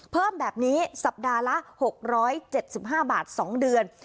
เพิ่มแบบนี้สัปดาห์ละ๖๗๕บาท๒เดือน